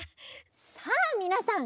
さあみなさん